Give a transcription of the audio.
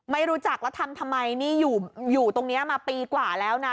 ไม่รู้จักแล้วทำทำไมนี่อยู่ตรงนี้มาปีกว่าแล้วนะ